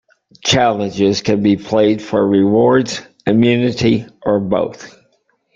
Challenges can be played for rewards, immunity, or both.